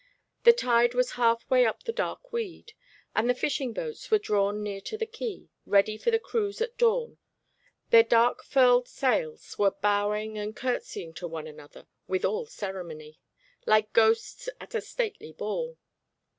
The tide was halfway up the dark weed, and the fishing boats were drawn near to the quay, ready for the cruise at dawn; their dark furled sails were bowing and curtseying to one another with all ceremony, like ghosts at a stately ball.